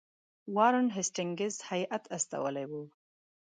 وارن هیسټینګز هیات استولی وو.